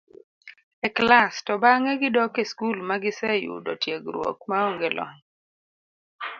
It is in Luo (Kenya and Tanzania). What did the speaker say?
e klas, to bang'e gidok e skul ma giseyudo tiegruok maonge lony